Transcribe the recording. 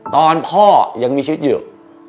ตอนพ่อยังมีชีวิตอยู่